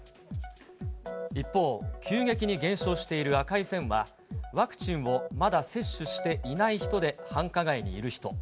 一方、急激に減少している赤い線は、ワクチンをまだ接種していない人で繁華街にいる人。